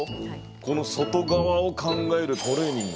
この外側を考えるトレーニング。